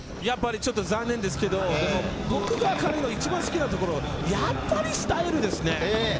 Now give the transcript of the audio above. ちょっと残念ですけど、彼の一番好きなところ、やっぱりスタイルですね。